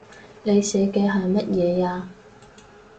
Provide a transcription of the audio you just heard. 你寫嘅係乜嘢呀